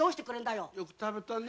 よく食べたね。